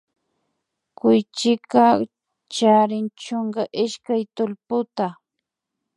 Kuychika chrin chunka ishkay tullputa